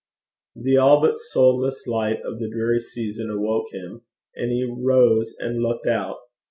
The all but soulless light of the dreary season awoke him, and he rose and looked out.